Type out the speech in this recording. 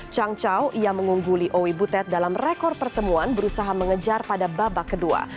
chang chow yang mengungguli owi butet dalam rekor pertemuan berusaha mengejar pada babak kedua